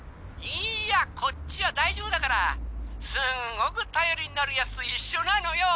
いやこっちは大丈夫だから。すんごく頼りになるヤツと一緒なのよ。